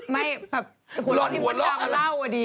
ไม่แบบหล่อนหัวเล่าหล่อนหัวเล่าอ่ะดี